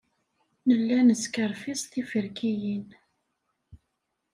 Nella neskerfiẓ tiferkiyin.